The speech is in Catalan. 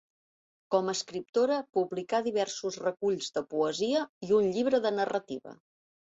Com a escriptora, publicà diversos reculls de poesia i un llibre de narrativa.